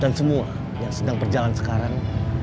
dan semua yang sedang berjalan sekarang